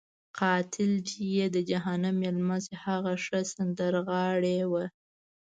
قاتل دې یې د جهنم میلمه شي، هغه ښه سندرغاړی وو.